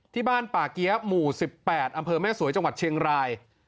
ที่บ้านป่าเกี้ยหมู่๑๘อำเภอแม่สวยจังหวัดเชียงราย